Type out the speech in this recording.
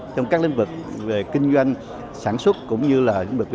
trong các lĩnh vực về kinh doanh sản xuất